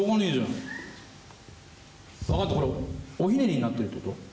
わかったこれおひねりになってるって事？